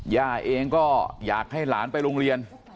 ย่าเองก็อยากให้หลานไปโรงเรียน